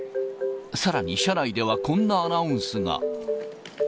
さらに車内ではこんなアナウンスが。